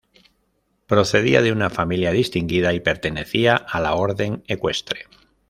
Procedía de una familia distinguida y pertenecía a la orden ecuestre.